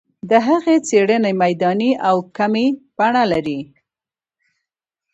د هغه څېړنه میداني او کمي بڼه لري.